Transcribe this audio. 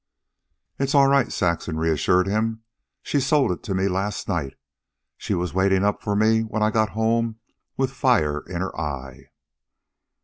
"It's all right," Saxon reassured him. "She sold it to me last night. She was waiting up for me when I got home with fire in her eye."